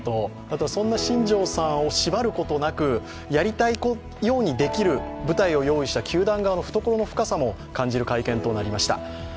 そんな新庄さんを縛ることなくやりたいようにできる舞台を用意した球団側の懐の深さも感じる会見となりました。